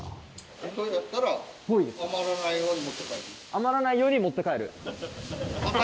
余らないように持って帰る。